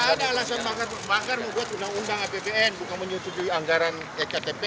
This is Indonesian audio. gak ada alasan banggar membuat undang undang apbn bukan menyertuhi anggaran iktp